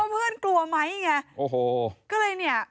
เพื่อนกลัวไหมไงโอ้โห